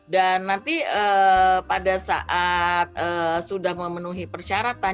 dan nanti pada saat sudah memenuhi persyaratan